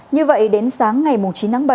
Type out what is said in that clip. như vậy đến sáng ngày chín tháng bảy